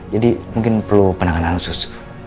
jadi mungkin perlu penanganan sus